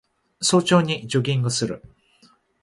早朝にジョギングする